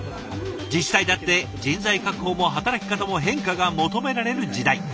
自治体だって人材確保も働き方も変化が求められる時代。